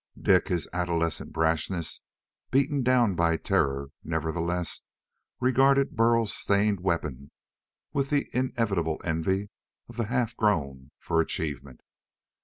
Dik, his adolescent brashness beaten down by terror, nevertheless regarded Burl's stained weapon with the inevitable envy of the half grown for achievement.